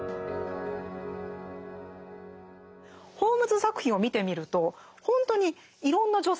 ホームズ作品を見てみると本当にいろんな女性が出てくるんですね。